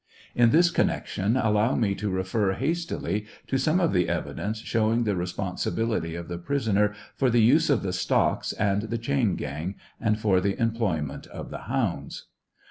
In this connection, allow me to refer hastily to some of the evidence showing the responsibility of the prisoner for the use of the stocks and the chain gang, and for the employment of the hounds.